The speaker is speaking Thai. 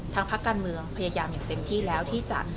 พักการเมืองพยายามอย่างเต็มที่แล้วที่จะ